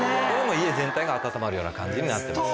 家全体が温まるような感じになってます。